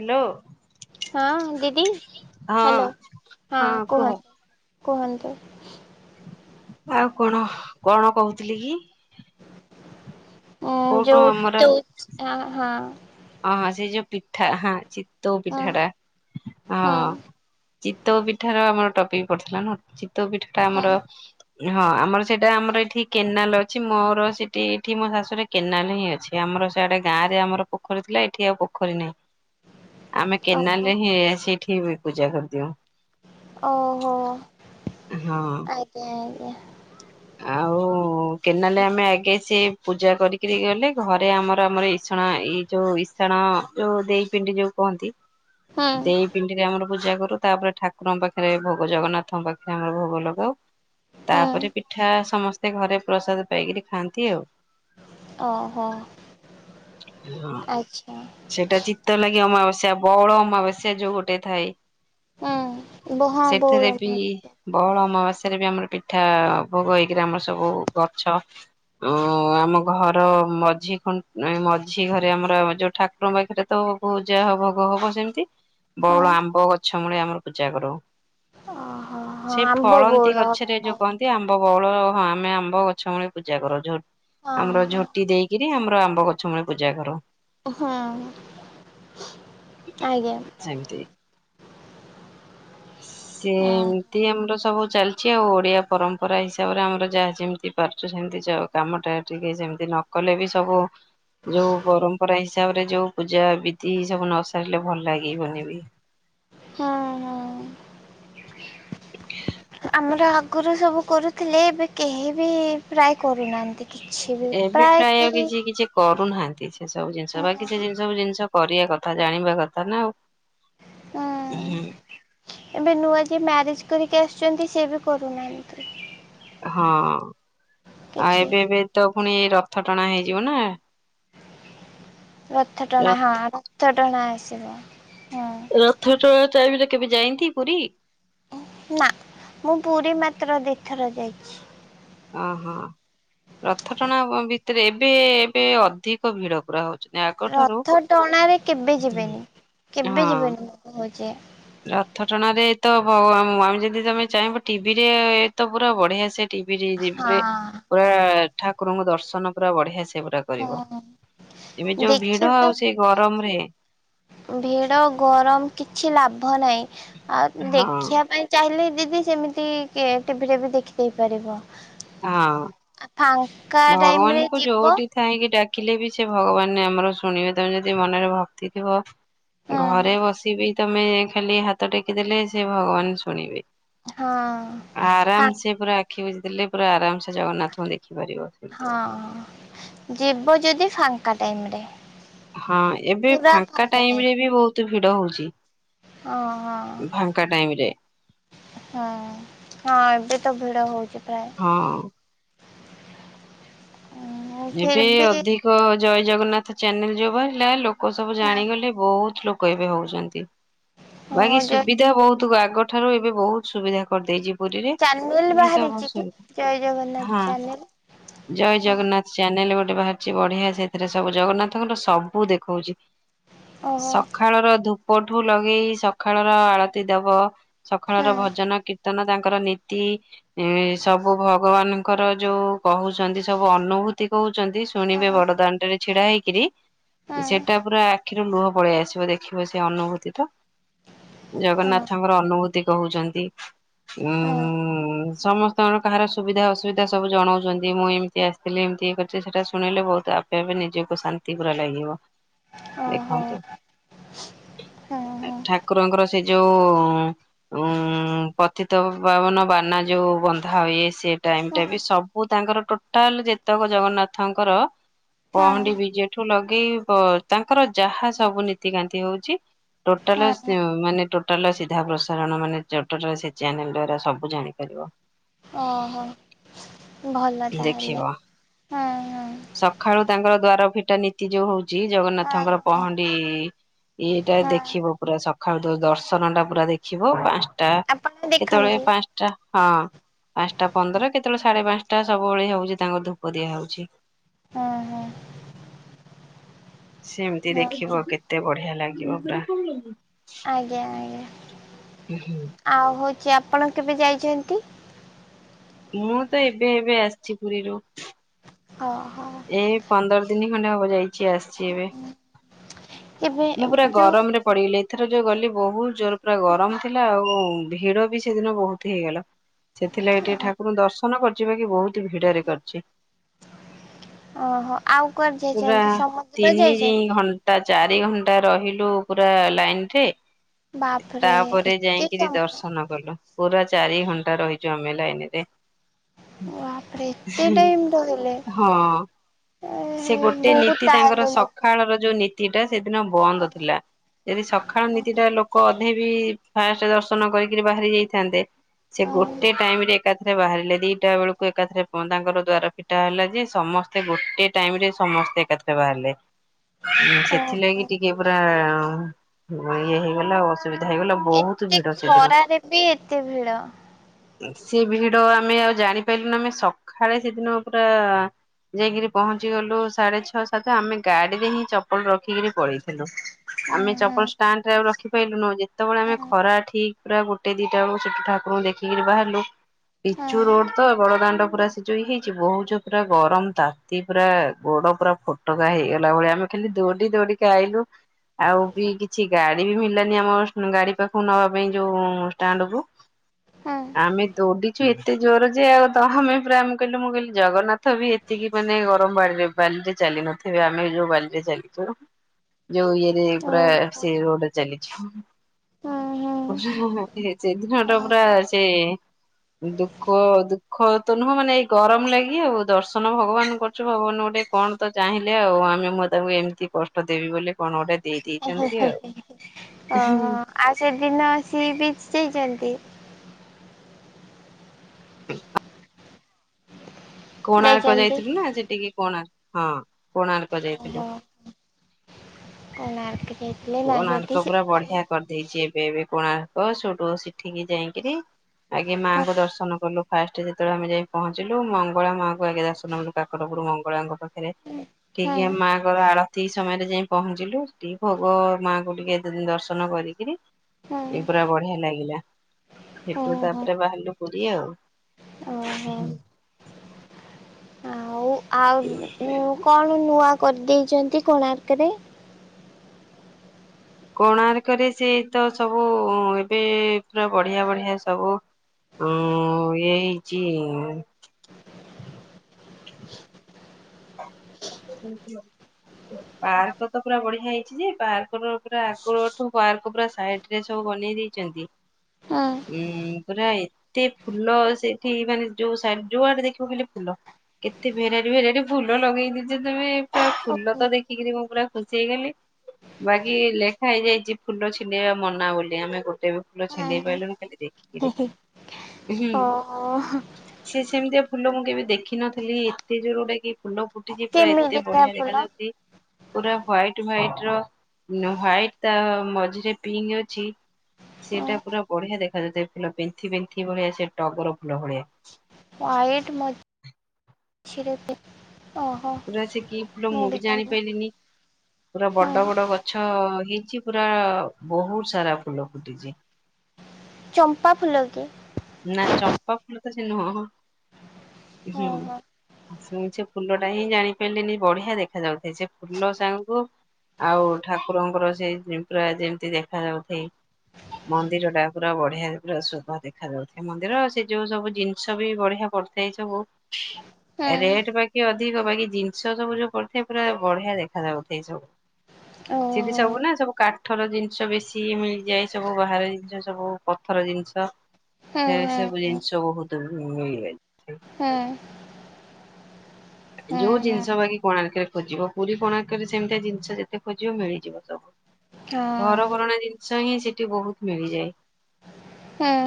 Hello. ହଁ ଦିଦି। ହଁ ହ୍ୟାଲୋ ହଁ କୁହ। କୁହନ୍ତୁ। ଆଉ କଣ କଣ କହୁଥିଲି କି ହଁ କୋଉଠୁ ଯୋଉତୁ ହଁହ ଓହଁ ସେଇ ଯୋଉ ପିଠା ହଁ। ଚଉ ହଁ ପିଠା ଟା ହଁ ହୁଁ ଚିତଉ ପିଠା ର ଆମର ତ ଏଂପଡ଼ିଥିଲା ନା ଅ ତ ପିଠା ଟା ହୁଁ ଆମର। ହଁ ଆମର ସେଇଟା ଆମର ଏ ଏଠି କେନାଲ ଅଛି। ମୋର ସେଠି ଏଠି ମୋ ଶାଶୁରେ କେନାଲ ହିଁ ଅଛି। ଆମର ସେଆଡେ ଗାଁ ରେ ଆମର। ପୋଖରୀ ଥିଲା ଏଠି ଆଉ ପୋଖରୀ ନାହିଁ। ଆମେ ହୁଁ କେନାଲ ଓହୋ ରେ ହିଁ ଆ ସେ ଠି ବି ପୂଜା କରଦଉ। ଓହୋ। ହଁ ଆଜ୍ଞା ଆଜ୍ଞା। ଆଉ କେ ନାଲେ ଆମେ ଆଗେ ସେ ପୂଜା କରିକିରି ଗଲେ। ଘରେ ଆମର ଆମର ଇସାଣ ଏଇ ଯୋଉ ଇସାଣ ଯୋଉ ଦେଇ ପିଣ୍ଡି ଯୋଉ କହନ୍ତି। ହୁଁ ଦେଇ ପିଣ୍ଡିରେ ଆମର ପୂଜା କରୁ। ତାପରେ ଠାକୁରଙ୍କ ପାଖରେ ଭୋଗ ଜଗନ୍ନାଥଙ୍କ ପାଖରେ ଆମର ଭୋଗ ଲଗାଉ। ହୁଁ ତାପରେ ପିଠା ସମସ୍ତ ଘରେ ପ୍ରସାଦ ପାଇକରି ଖାଆନ୍ତି ଆଉ। ଓହୋ ହ ଆଚ୍ଛା ସେଟା ଚିତ୍ତ ଲାଗି ଆମାବାସ୍ୟା ବଉଳ ଅମାବାସ୍ୟା ଯୋଉ ଗୋଟେ ଥାଏ ହୁଁ ବୋ ହଁ ସେଠାରେ ବଉଳ ବି ମହୋତ୍ସବ ବଉଳ ଅମାବାସ୍ୟାରେ ବି ଆମର ପିଠା ଭୋଗ ହେଇକିରି ଆମର ସବୁ ଗଛ ଉୁଁ ଆମ ଘର ମଝି ଖୁଁ ମଝି ଘରେ ଆମର ଯୋଉ ଠାକୁରଙ୍କ ପାଖରେ ତ ପୂଜା ଭୋଗ ହବ ସେମିତି। ହଁ ବଉଳ ଆମ୍ବ ଗଛ। ଳେ ଆମର ପୂଜା କରଉଁ। ଓହୋ ହଁ ସେ ଆମ୍ବ ଫଳନ୍ତିୀ ବଉଳ ହବା ଗଛରେ ଯୋଉ ଯଦି ପାଇଁ ଆମ୍ବ ବଉଳ ହଁ ଆମେ ଆମ୍ବ ଗଛ ମୂଳେ ପୂଜା କରୁ। ଝୋ ହଁ ଆମର ହଁ ଝୋଟି ଦେଇକି ନ୍ତି ଆମର ଆମ୍ବ ଗଛ ମୂଳେ ପୂଜା କରୁ। ହୁଁ, ଆଜ୍ଞା ସେମିତି। ସେ ଓ। ଏମିତି ଆମର ସବୁ ଚାଲିଛି ଆଉ ଓଡ଼ିଆ ପରମ୍ପରା ହିସାବରେ ଆମର ଯାହା ଯେମିତି ପାରୁଛୁ ସେମିତି ଯଉ କାମ ଟା ଟିକେ ଯେମିତି ନ କଲେ ବି ସବୁ ଯଉ ପରମ୍ପରା ଇସ ହିସାବରେ ଯୋଉ ପୂଜା ବିଧି ସବୁ ନ ସାରିଲେ ଭଲ ଲାଗିବନିବି। [inaudible] [inaudible] ଆମର ଆଗରୁ ସବୁ କରୁଥିଲେ ଏବେ କେହି ବି ପ୍ରାୟେ କରୁନାହାନ୍ତି। କିଛି ବି ଏବେ ପ୍ରାୟ ପ୍ରାୟେ କେହି କିଛି କିଛି କର ଆଉ ନାହାନ୍ତି ସେ ସବୁ ଜିନିଷ ହୁଁ ବାକିି ସେ ହୁଁ ଜିନି ସବୁ ଜିନିଷ କରିବା କଥା ଜାଣିବା କଥା ନା। ହୁଁ ହୁଁ ଏବେ ନୁଆକି ମ୍ୟାରେଜ କରିକି ଆସୁଛନ୍ତି ସେ ବି କରୁନାହାନ୍ତି। ହଁ ଆଉ କିଛି ଏବେ ଏବେ ତ ଫୁଣି ରଥ ଟଣା ହେଇଯିବ ନା। ରଥ ଟଣା ହଁ ରଥ ଥଟଣା ଆସିବ ହୁଁ ରଥ ଟଣା ଟାଇମିରେ କେବେ ଯାଆନ୍ତି ପୁରୀ? ନା ମୁଁ ପୁରୀ ମାତ୍ର ଦିଥର ଯାଇଛି। ଓହୋ ରଥ ଟଣା ଭିତରେ ଏବେ ଏବେ ଅଧିକ ଭିଡ ପୁରା ହଉ ରଥ ଟଣାରେ କେବେ ଯିବେନି କେବେ ହଁ। ଯିବେନି। ଯେ। ରଥ ଟଣାରେ ତ ହ ୱାନ ଆମେ ଯଦି ତମେ ଚାହିଁବ ଟିଭି ରେ ଏ ତ ପୁରା ବଢିଆ ସେ ଟିଭିରିରେ ହଁ ପ ଠା ଠାକୁରଙ୍କୁ ଦର୍ଶନ ପୁରା ବଢିଆସେ ପୁରା କରିବ ହଁ ଏମତି ଯୋଉ ଭିଡ ଦେଖିବା ଆଉ ସେଇ ଗରମରେ ଭିଡ ଗରମ କିଛି ଲାଭ ନାହିଁ। ଆଉ ହଁ ଦେଖିବା ପାଇଁ ଚାହିଁଲେ ଦିଦି ସେମିତି କିଏ ଟିଭିରେ ବି ଦେଖିଦେଇ ପାରିବ। ହଁ ଫାଙ୍କା ଟାଇମ ରେ ଭଗବାନଙ୍କୁ ଯିବ ଯୋଉଠି ଥାାଇକି ଡା କିଲେ ବି ସେ ଭଗବାନ ଆମର ଶୁଣିବେ ତମ ଯଦି ମନରେ ଭକ୍ତି ଥିବ। ହୁଁ ଘରେ ବସିବି ତମେ ଖାଲି ହାତ ଟେକିଦେଲେ ସେ ଭଗବାନ ଶୁଣିବେ। ହଁ ଆରାମ ଫା ସେ ପୁରା ଆଖି ବୁଝିଦେଲେ ପୁରା ଆରାମ ସେ ଜଗନ୍ନାଥଙ୍କୁ ଦେ ହଁ ଯିବ ଯଦି ଫାଙ୍କା ଟାଇମ୍ ରେ ହଁ ଏବେ ପୁରା ଫାଙ୍କା ଟାଇମ୍ ଟାଇମ ରେ ବି ବୋହୁତ ତ ଭିଡ ହଉଛି। ହଁ ହଁ ଫାଙ୍କା ଟାଇମ ରେ ହଁ ଏବେ ତ ଭିଡ ହୋଉଚି ପ୍ରାୟ ହଁ। ଉଁ ଏବେ ଫିର ବି ଅଧିକ ଜୟ ଜଗନ୍ନାଥ ଚେନଲ ଯଉ ବାହାରିଲା ଲୋକ ଲୋକ ସବୁ ଜାଣିଗଲେ ବହୁତ ଲୋକ ଏବେ ହଉଛନ୍ତି। ଓହୋ ବାକି ଯ ସୁବିଧା ବହୁତ ତୁ ଆଗଠାରୁ ଏବେ ବହୁତ ସୁବିଧା କରିଦେଇଛିି। ଚାନେଲ୍ ବାହାରିଛି କି ଜୟ ଜଗନ୍ନାଥ ହଁ ଚାନେଲ୍ ଓ। ଚାନେଲ ଗୋଟେ ବାହାରିଛି ବଢିଆ ସେଥିରେ ସବୁ ଜଗନ୍ନାଥଙ୍କର ସବୁ ଦେଖଉଛି। ଓହୋ ସକାଳ ର ଧୂପ ପୋଠୁ ଲଗେଇ ସକାଳ ର ଆଳତି ଦବ। ସକାଳ ହୁଁ ର ଭଜନ କୀର୍ତ୍ତନ ତାଙ୍କ। ର ନୀତି ସବୁ ଭଗବାନଙ୍କର ଯୋଉ କହୁଛନ୍ତି ସବୁ ଅନୁଭୂ। କହୁ। ଶୁଣିବେ ହୁଁ ବଡ ଦାଣ୍ଡଟ ଛିଡା ହେଇକି‌। କିିରି। ସେଟା ହୁଁ ପୁରା। କିୁ ଲୁହ ପଳେଇ ଆସିବ ଦେଖିବ ସେ ଅନୁଭୂତି ଟା। ଜଗନ୍ନାଥଙ୍କର ଅନୁଭୂତି କହୁଛନ୍ତି। ହୁଁ ଉଁ ସମସ୍ତଙ୍କର କାହାର ସୁବିଧା ଅସୁବିଧା ସବୁ ଜଣାଉଛନ୍ତି ମୁଁ ଏମିତି ଆସିଥିଲି ଏମ ଏ କରି ସେଟା ଶୁଣିଲେ ବହୁତ ଆପେ ଆପେ ନିଜକୁ ଶାନ୍ତି ପୁରା ଲାଗିବ। ଓହୋ ଦେଖନ୍ତୁ ହୁଁ ହୁଁ ଠାକୁରଙ୍କର ସେ ଯୋଉ ଉଁ ଉଁ ପଥିତ ପାବନ ବାନା ଯୋଉ ବନ୍ଧା ହୁଏ ସେ ଟାଇମ ଟା ବି ସବୁ ତାଙ୍କର ଟୋଟାଲ ଯେତେ ପ୍ରଭୁ ଜଗନ୍ନାଥଙ୍କର ହୁଁ ପହଣ୍ଡି ବି ଯେଠୁ ଲାଗ ତାଙ୍କର ଯାହା ସବୁ ନୀତିକାନ୍ତି ହଉଛି ହୁଁ ଟୋଟାଲ ହୁଁ ମାନେ ଟୋ ଜଟଲ ସିଧା ପ୍ରସାରଣ ମାନେ ଜଟଳ ସେ ଚାନେ ଦ୍ଵାରା ସବୁ ଜାଣିପାରିବ। ଓ ହୋ। ଦେଖିବ ହୁଁ ହୁଁ ସକାଳୁ ତାଙ୍କର ଦ୍ୱାର ଭି ନୀତି ଯୋଉ ହଉଛି। ଜଗନ୍ନାଥଙ୍କର ହୁଁ ପହଣ୍ଡି ଇଏଟା ହୁଁ ଦେଖିବ ପୁରା ସ ସଖାଳୁ ଦର୍ଶନ ଟା ପୁରା ଦେଖିବ ପାଞ୍ଚ ଟା ଆପଣ ଦେଖନ୍ତି କେତେବେଳେ ପାଞ୍ଚଟା ହଁ ପାଞ୍ଚଟା ପନ୍ଦର କେତେବେଳେ ସାଢେ ପାଞ୍ଚଟା ଟା ସବୁବେଳେ ହଉଛି ତାଙ୍କ ଧୂପ ଦିଆ ହଉଛି। ହଁ ହଁ। ସେମିତି ହଁ ଦେଖିବ କେତେ ବଢିଆ ଲାଗ ଲାଗିବ ପା ଆଜ୍ଞା ଆଜ୍ଞା ଉଁ ହୁଁ। ଯେ ଆପଣ କେବେ ଯାଇଛନ୍ତି? ମୁଁ ତ ଏବେ ଏବେ ଆସିଛି ପୁରୀରୁ ଓ ହ। ଏଇ ପନ୍ଦର ଦିନି ଖଣ୍ଡେ ହବ ଯାଇ କି ଆସିଛି ଏବେ କେବେ ମୁଁ ପୁରା ଯୋଉ ଗରମରେ ପଡଲି ଏଥର ଯଉ ଗଲି ବହୁତ ଜୋର ପୁରା ଗରମ ଥିଲା ଆଉ ଭିଡ ବି ସେଦିନ ବହୁତ ହେଇଗଲା। ସେଥିଲାଗି ଟିକେ ଠାକୁର ଦର୍ଶନ ଦଶର୍ନ କରିଛି ବାକି ବହୁତ ଭିଡରେ କରିଛି। ଓହୋ ଆଉ କୁଆଡେ ପୁରା ଯାଇଛନ୍ତି ସମୁଦ୍ର ତିନି ଦି ଯାଇଛନ୍ତି ଘଣ୍ଟା ଚାରି ଘଣ୍ଟା ରହିଲ ପୁରା ଲାଇନ ରେ ବାପରେ ତାପରେ ଏତେ ଯାଇକିରି ସମୟ ଦର୍ଶନ କଲୁ ପୁରା ଚାରି ଘଣ୍ଟା ରହିଛୁ ଆମେ ଲାଇନରେ। ବାପରେ ଏତେ ଟାଇମ ରହିଲେ। ହଁ ସେ ଗୋଟେ ବହୁତ ନୀତି ତାଙ୍କର ତାହେଲେ ଲୋକ ସକାଳର ଯୋଉ ନୀତିଟା ସେଦିନ ବନ୍ଦ ଥିଲା ଯଦି ସକାଳ ନୀତି ଟା ଲୋକ ଅଧେ ବି ଫାଷ୍ଟ ଦର୍ଶନ କରିକିରି ବାହାରି ଯାଇଥାନ୍ତେ ସେ ଗୋଟେ ଟାଇମ ରେ ଏକାଥରେ ବାହାରିଲେ ଦିଟା ବେଳକୁ ଏକାଥରେ ହଁ ତାଙ୍କର ଦ୍ୱାର ଫି ଟା ହେଲା ଯେ ସମସ୍ତେ ଗୋଟେ ଟାଇମ ରେ ସମସ୍ତେ ଏକାଥରେ ବାହାରିଲେ। ଓହୋ ସେଥିଲାଗି ଟିକେ ପୁରା ହଁ। ଇଏ ହେଇଗଲା ଆଉ ଅସୁବିଧା ହେଇଗଲା ବହୁତ ଏତେ ଭିଡ ସେଦିନ। ଖରାରେ ବି ଏତେ ଭିଡ ସେ ଭିଡ ଆମେ ଆଉ ଜାଣିପାଇଲୁନୁ ଆମେ ସଖାଳେ ସେ ଦିନ ପୁରା ଯାଇକିରି ପହଞ୍ଚିଗଲୁ ସାଢେ ଛଅ ସାତ ଆମେ ଗାଡିରେ ହିଁ ଚ ପଲ ରଖିକିରି ପଳେଇଥିଲୁ ହୁଁ ଆମେ ହୁଁ ଚପଲ ଷ୍ଟାଣ୍ଡରେ ଆଉ ର ଦେଖି ପାଇଲୁନୁ ଯେ ସେତେବେଳେ ଆମେ ଖରା ଠିକ ପୁରା ଗୋଟେ ଦିଟା ବେଳକୁ ସେଠି ଠାକୁରଙ୍କୁ ଦେଖିକିରି ବାହାରିଲୁ ହୁଁ ହୁଁ ପିଚୁ ରୋଡ ତ ବଡଦାଣ୍ଡ ପୁରା ସଜ ହେଇକି- ଛି ବହୁ ଯଉ ପୁରା ଗରମ ତାତି ପୁରା ଗୋଡ ପୁରା ଫୋଟକା ହେଇଗଲିଆ ଭଳିଆ ଆମେ ଖାଲି ଦୌଡି ଦୌଡିକି ଆଇଲୁ ଆଉ ବି କିଛି ଗାଡି ବି ମଳିଲାନି ଆମ ଗାଡି ପାଖକୁ ନବା ପାଇଁ ଯୋଉ ଷ୍ଟାଣ୍ଡ କୁ ହୁଁ ଆମେ ଦୌଡିଛୁ ଏ ଏତେ ଜୋର ଯେ ତ ଆଉ ତମେ ପୁରା କହିଲୁ ମୁଁ କହିଲି ଜଗନ୍ନାଥ ବି ଏତିକି ମାନେ ଗରମ ବାଡିରେ ବାଲିରେ ଚାଲି ନଥିବେ ଆମେ ଯୋଉ ବାଲିରେ ଚାଲିଥିଲୁ ଯଉ ଇଏ ରେ ପୁରା ସେ ଓ ରୋଡ ରେ ଚାଲିିକି ହୁଁ ହୁଁ ହୁଁ ସେ ଦିନଟା ପୁରା ହୁଁ ସେ ଦୁଃଖ ଦୁଃଖ ତ ନୁହଁ ମାନେ ଏ ଗରମ ଲାଗି ଆଉ ଦର୍ଶନ ଭଗବାନ କରୁଛୁ ଭଗବାନ ଗୋଟେ କଣ ତ ଚାହିଁଲେ ଆଉ ଆମେ ମୁଁ ତାକୁ ଏମିତି କଷ୍ଟ ଦେବି ବୋଲି କଣ ଗୋଟେ ଦେଇ ହ ହ ଦେଇେଇଛନ୍ତି ହ ଆଉ। ଓହୋ ଆଉ ସେଦିନ ସି ବିଚ ଯାଇଛନ୍ତି? [unintelligible] କୋଣାର୍କ ଯାଇଛନ୍ତି ଯାଇଥିଲୁ ନା ସେ ଟିକି କୋଣାର୍କ ହଁ କୋଣାର୍କ ଓହୋ ଯାଇଥିଲୁ କୋଣାର୍କ ଯାଇଥିଲେ ନା ସେଠି କୋଣାର୍କ ସେ ପୁରା ବଢିଆ କଣ କରିଦେଇଚି। ଏବେ କୋଣାର୍କ ସେଇଠୁ ସେିଠିକି ଯାଇଁକିରି ଆଗେ ମାଙ୍କୁ ଦର୍ଶନ କଲୁ। ଫାଷ୍ଟ ଯେତେବେଳେ ଆମେ ଯାଇ ପହଞ୍ଚିଲୁ ମଙ୍ଗଳା ମାଙ୍କୁ ଆଗେ ଦର୍ଶନକଲୁ କାକଟପୁର ମଙ୍ଗଳାଙ୍କ ପା ଖରେ ହଁ କେହି ଆମ ମାଙ୍କର ଆଳ ସେଇ ସମୟରେ ଯାଇ ପହଞ୍ଚିଲୁ ଠିକ୍ ଭୋ ପୁଅ ମାଆଙ୍କୁ ଟିକେ ଏତେ ଦିନି ଦର୍ଶନ କରିକିରି ହଁ ଏ ପୁରା ବଢିଆ ଲାଗିଲା। ସେଠୁ ତାପରେ ବାହାରିଲୁ ପୁ ଏତିକି ଆଉ ଓ ହ। ଆଉ ଆଉ ଉ କଣ ନୂଆ? କରିଦେଇଚନ୍ତି କୋଣାର୍କରେ କୋଣାର୍କରେ ସେ ତ ସବୁ ଏବେ ପୁରା ବଢିଆ ବଢିଆ ସବୁ ଉ ଇଏ ହେଇଚି। ପାର୍କ ତ ପୁରା ବଢିଆ ହେଇଚି ଯେ ପାର୍କ ର ପୁରା ଆଗଠୁ ପାର୍କ ପୁରା ସାଇଟରେ ସବୁ ବନେଇ ଦେଇଚନ୍ତି। ହଁ ଉଁ ପୁରା ଏତେ ଫୁଲ ସେଠି ମାନେ ଯୋଉ ଶା ଯୁଆଡେ ଦେଖିବ ଖାଲି ଫୁଲ କେତେ ଭେରାଇଟି ଭେରାଇଟି ଫୁଲ ଲଗେଇ ତମେ ପୁରା ଓହୋ ଫୁଲତ ଦେଖିକିରି ମୁଁ ପୁରା ଖୁସି ହେଇଗଲି। ବାକି ଲେଖା ହେଇଯାଇଚି ଫୁଲ ଛିଣ୍ଡେଇବା ମନା ବୋଲି ଆମେ ଗୋଟେ ବି ଫୁଲ ଛିଣ୍ଡେଇ ହଁ ପାଇଲୁନି ଖାଲି ଦେଖିକିରି। ହୁଁ ଓହୋ ସେ ସେମିତିଆ ଫୁଲ ମୁଁ କେବେ ଦେଖିନଥିଲି, ଏତେ ଜୋର ଗୋ କି ଫୁଲ ଫୁ ଫୁଟିଚି, ପ୍ରାୟ ଏତେ କେମିତିକା ବଢିଆ ଫୁଲ? ଦେଖାଯାଉଛି। ପୁରା ହୁଆଇଟ, ହୁଆଇଟ, ର ହୁଆଇଟ ତା ମଝିରେ ପିଙ୍କ ଅଛି, ସେଟା ପୁରା ବଢିଆ ଦେଖାଯାଉଥାଏ, ଫୁଲ ପେନ୍ଥି, ପେନ୍ଥି ଭଳିଆ ସେ ଟଗର ଫୁଲ ଭଳିଆ ହୁଆଇଟ ମଝ୍ ମଝିରେ ପିଙ୍କ ପୁରା ସେ କି ଫୁଲ ମୁଁ ବି ଜାଣିନି। ଜାଣିପାଇଲିନି, ପୁରା ହୁଁ ବଡ, ବଡ ଗଛ ହେଇ ଛି, ପୁରା ବହୁତ ସାରା ଫୁଲ ଫୁଟିଛି। ଚମ୍ପା ଫୁଲ କି? ନା ଚମ୍ପା ଫୁଲ ତ ସେ ନୁହ ଓହୋ। ସେ ଫୁଲ ଟା ହିଁ ଜାଣିପାଇଲିନି, ବଢିଆ ଦେଖା ଯାଉଥାଏ, ଶୁଣିଛି ଫୁଲ ଟା ହିଁ ଜାଣି ପାରିଲିନି ବଢ଼ିଆ ଦେଖା ଯାଉଛି ସେ ଫୁଲ ସାଙ୍ଗକୁ ଆଉ ଠାକୁରଙ୍କର ସେ ଯେ ପୁରା ଯେମିତି ଦେଖା ଯାଉଥାଏ, ମନ୍ଦିର ଟା ପୁରା ବଢିଆ ପୁରା ଶୁଭା ଦେ ଦେଖ ଦେଖା ଯାଉଥାଏ, ମନ୍ଦିର ସେ ଯୋଉ ସବୁ ଜିନିଷ ବି ବଢିଆ ପଡିଥାଏ, ସବୁ ହୁଁ। ରେଟ ବାକି ଅ ଅଧିକ ବାକି ଜିନିଷ ସବୁ ଯୋଉ ପଡିଥାଏ, ପୁରା ବଢିଆ ଦେଖାଯାଉଥାଏ, ସବୁ ସେଠି ସବୁ ନା। ସବୁ କାଠର ଜିନିଷ ବେଶୀ ମିଳିଯାଏ, ସବୁ ବାହାର ଜିନିଷ ସବୁ ପଥର ଜିନିଷ ସେ ସବୁ ଜିନିଷ ବହୁତ ତ ମିଳିଯାଇ ହୁଁ। ଯୋଉ ଜିନିଷ ବାକି କୋଣାର୍କରେ ଖୋଜିବ ପୁରୀ କୋଣାର୍କରେ ସେମିତିଆ ଜିନିଷ ଯେତେ ଖୋଜିବ ମିଳିଯିବ ସବୁ। ଘର କରଣା ଜିନିଷ ସିଏହିଁ ସେଠି ବହୁତ ମିଳିଯାଏ।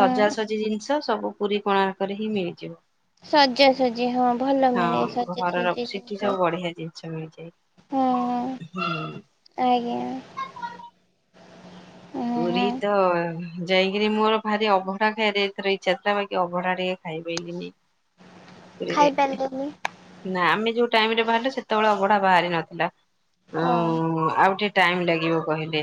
ସଜାସଜି ଜିନିଷ ସବୁ ପୁରୀ କୋଣାର୍କରେ ହିଁ ମିଳିଯିବ। ସଜାସଜି ହଁ ଭଲ ହଁ ମିଳେ ସ ଘରର ସେଠି ସବୁ ବଢିଆ ଜିନିଷ ହଁ ମିଳିଯାଏ ହୁଁ। [unintelligible] ପୁରୀ ହଁ ତ ଯାଇକିରି ମୋର ଭାରି ଅବଢା ଖାଇବାରେ ଏଥର ଇଚ୍ଛା ଥିଲା ବାକି ଅବଢା ଟିକେ ଖାଇପାଇଲିନି। ପୁରୀରେ ଖାଇପାରିଲିନି ନା ଆମେ ଯୋଉ ଟାଇମ ରେ ବାହାରିଲେ ସେତେବେଳେ ଅବଢା ବାହାରି ନଥିଲା। ଓ ଆଉ ଟିକେ ଟାଇମ ଲାଗିବ କହିଲେ।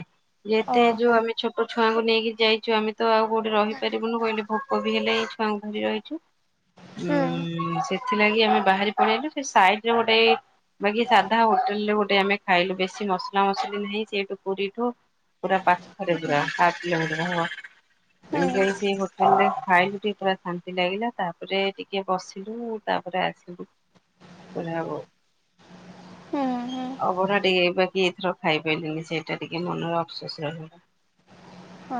ଯେତେ ଯୋଉ ଓହୋ ଆମେ ଛୋଟ ଛୁଆ ଛୁଆ ଙ୍କୁ ନେଇକି ଯାଇଛୁ ଆମେ ତ ଆଉ କୋଉଠି ରହିପାରିବୁନୁ କହିଲେ ଭୋକ ବି ହେଲେ ସାଙ୍ଗ [unintelligible] ଆଇଚୁ ହୁଁ ସେ ସେଥିଲାଗି ଆମେ ବାହାରି ପଳେଇଲୁ ସେ ସାଇଡରେ ଗୋଟେ ବାକି ସାଧା ହୋଟେଲ ରେ ଗୋଟେ ଆମେ ଖାଇଲୁ ବେଶି ମସଲା ମସଲି ନାହିଁ ସେଇଠୁ ପୁରୀଠୁ ପୁରା ପାଖ ପାଖରେ ହୁଁ ପୁରା ହାପ କିଲୋମିଟର ହଁ। ହୁଁ ଆମେ ଯାଇକି ସେଇ ହୋଟେଲ ରେ ଖାଇଲୁ ଟିକେ ପୁରା ଶାନ୍ତି ଲାଗିଲା ତାପରେ ଟିକେ ବସିଲୁ ତାପରେ ଆସିଲୁ। [unintelligible] ହୁଁ ହୁଁ ଅବଢା ଟିକେ କି ଏଥର ଖାଇପାରିଲିନି ସେଇଟା ଟିକେ ମନରେ ଅଫସୋସ ରହିବ।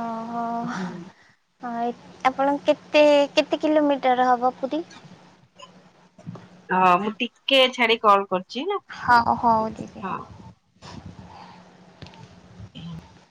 ଓ ହୋ [unintelligible] ଆପଣ କେତେ କେତେ କିଲୋମିଟର ହବ ସେଟି ହଁ ମୁଁ ଟିକେ ଛାଡି କଲ୍ କରୁଚି। ହଉ ହଉ ଦିଦି। [inaudible]